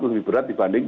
lebih berat dibanding